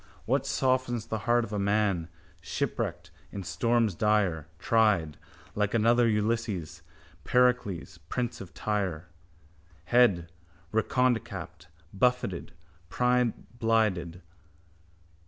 What softens the heart of a man, shipwrecked in storms dire, Tried, like another Ulysses, Pericles, prince of Tyre? Head, redconecapped, buffeted, brineblinded.